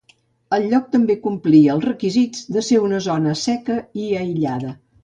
El lloc també complia els requisits de ser una zona seca i aïllada.